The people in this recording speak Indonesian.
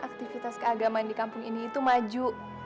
aktivitas keagamaan di kampung ini itu maju